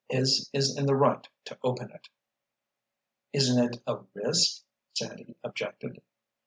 His is the right to open it." "Isn't it a risk?" Sandy objected.